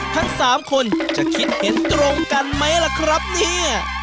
ทั้ง๓คนจะคิดเห็นตรงกันไหมล่ะครับเนี่ย